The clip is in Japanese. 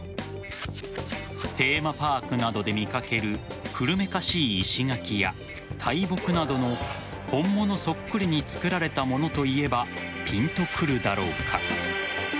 テーマパークなどで見掛ける古めかしい石垣や大木などの本物そっくりに造られたものといえばピンとくるだろうか。